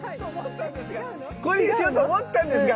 これにしようと思ったんですが